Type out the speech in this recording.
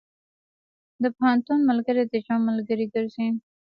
د پوهنتون ملګري د ژوند ملګري ګرځي.